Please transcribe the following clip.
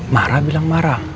marah bilang marah